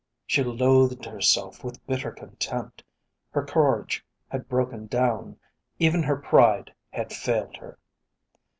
She loathed herself with bitter contempt. Her courage had broken down; even her pride had failed her.